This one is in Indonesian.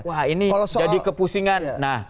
wah ini jadi kepusingan